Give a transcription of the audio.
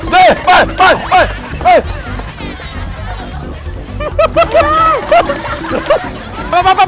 เล่นไปไปไป